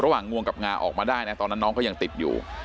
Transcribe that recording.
งวงกับงาออกมาได้นะตอนนั้นน้องก็ยังติดอยู่